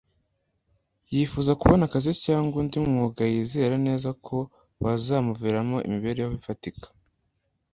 yifuza kubona akazi cyangwa undi mwuga yizera neza ko wazamuviramo imibereho ifatika